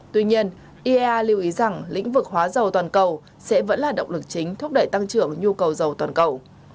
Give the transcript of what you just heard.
tuy nhiên iea lưu ý rằng lĩnh vực hóa dầu toàn cầu sẽ vẫn là động lực chính thúc đẩy tăng trưởng nhu cầu dầu toàn cầu